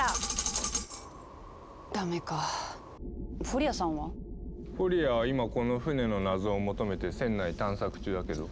フォリアは今この船の謎を求めて船内探索中だけど。